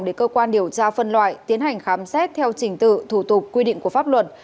để cơ quan điều tra phân loại tiến hành khám xét theo trình tự thủ tục quy định của pháp luật